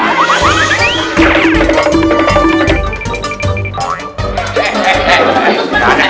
tidak ada ini